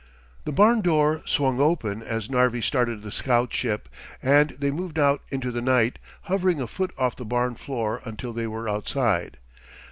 The barn door swung open as Narvi started the scout ship and they moved out into the night, hovering a foot off the barn floor until they were outside.